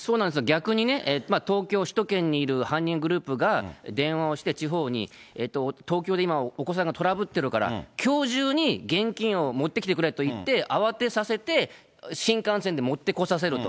逆にね、東京、首都圏にいる犯人グループが電話をして、地方に、東京で今、お子さんがトラブってるから、きょう中に現金を持ってきてくれって言って、慌てさせて、新幹線で持ってこさせると。